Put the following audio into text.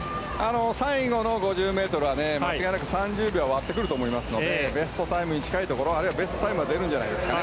最後の５０ｍは間違いなく３０秒を割ってくると思いますのでベストタイムに近いところあるいは、ベストタイムが出るんじゃないんですかね。